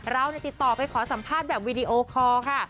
เราติดต่อไปขอสัมภาษณ์แบบวีดีโอคอร์ค่ะ